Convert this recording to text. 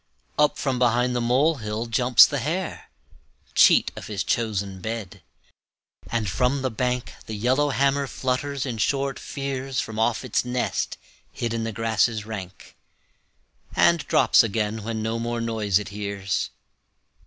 Up from behind the molehill jumps the hare, Cheat of his chosen bed, and from the bank The yellowhammer flutters in short fears From off its nest hid in the grasses rank, And drops again when no more noise it hears.